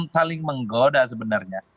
saling menggoda sebenarnya